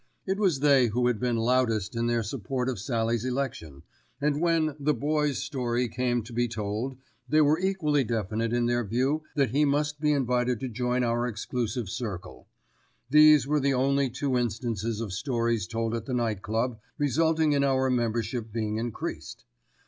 It was they who had been loudest in their support of Sallie's election, and when "the Boy's" story came to be told, they were equally definite in their view that he must be invited to join our exclusive circle. These were the only two instances of stories told at the Night Club resulting in our membership being increased.